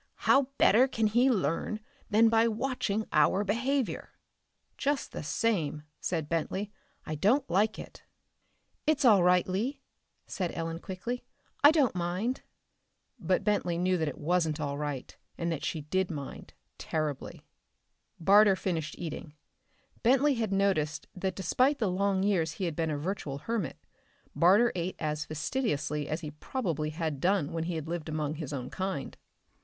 How better can he learn than by watching our behavior?" "Just the same," said Bentley, "I don't like it." "It's all right, Lee," said Ellen quickly. "I don't mind." But Bentley knew that it wasn't all right, and that she did mind, terribly. Barter finished eating. Bentley had noticed that despite the long years he had been a virtual hermit, Barter ate as fastidiously as he probably had done when he had lived among his own kind.